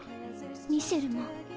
ミシェルも。